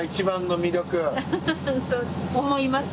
そう思います。